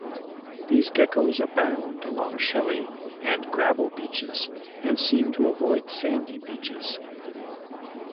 These geckos abound along shelly and gravel beaches, and seem to avoid sandy beaches.